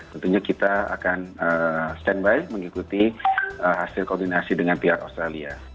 tentunya kita akan standby mengikuti hasil koordinasi dengan pihak australia